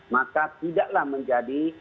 maka tidaklah menjadi